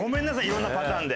色んなパターンで。